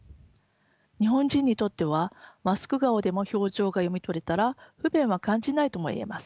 日本人にとってはマスク顔でも表情が読み取れたら不便は感じないともいえます。